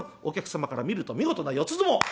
お客様から見ると見事な四つ相撲。